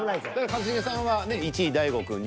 一茂さんは１位大悟くんに。